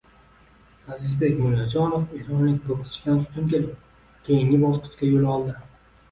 Lazizbek Mullajonov eronlik bokschidan ustun kelib, keyingi bosqichga yo‘l oldi